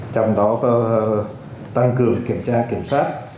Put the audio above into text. trong đó tăng cường kiểm tra kiểm soát